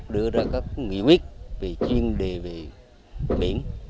đưa ra các nghị quyết chuyên đề về biển